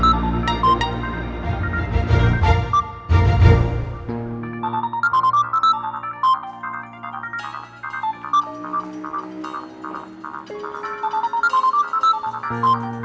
yaudah deh hubungin bu melda demi misal